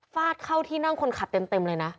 ฟาดเข้าที่นั่งคนขับเต็มเลยนะ